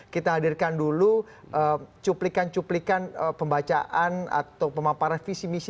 kita hadirkan dulu cuplikan cuplikan pembacaan atau pemaparan visi misi